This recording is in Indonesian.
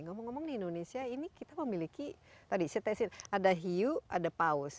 ngomong ngomong di indonesia ini kita memiliki tadi saya tesin ada hiu ada paus